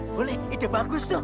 boleh ide bagus tuh